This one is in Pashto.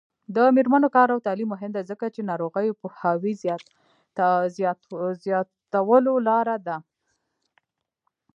د میرمنو کار او تعلیم مهم دی ځکه چې ناروغیو پوهاوي زیاتولو لاره ده.